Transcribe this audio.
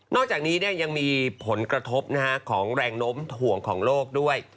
อกจากนี้ยังมีผลกระทบของแรงน้มห่วงของโลกด้วย